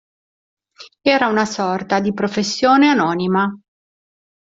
Era una sorta di professione anonima.